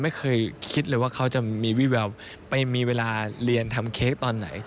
ไม่เคยคิดเลยว่าเขาจะมีวิแววไปมีเวลาเรียนทำเค้กตอนไหน